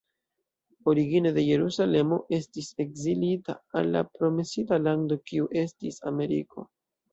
Origine de Jerusalemo, estis ekzilita al la promesita lando kiu estis Ameriko.